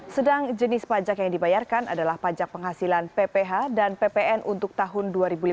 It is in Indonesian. sedang jenis pajak yang dibayarkan adalah pajak penghasilan pph dan ppn untuk tahun dua ribu lima belas